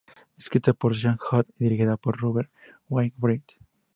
Escrita por Sean Hood y dirigida por Rupert Wainwright.